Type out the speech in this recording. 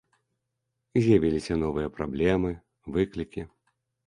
З'явіліся новыя праблемы, выклікі.